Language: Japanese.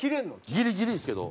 ギリギリですけど。